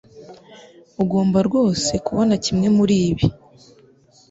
Ugomba rwose kubona kimwe muribi.